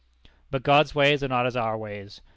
But God's ways are not as our ways.